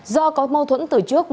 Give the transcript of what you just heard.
do có mâu thuẫn từ trước